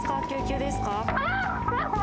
救急ですか？